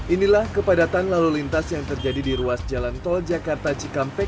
inilah kepadatan lalu lintas yang terjadi di ruas jalan tol jakarta cikampek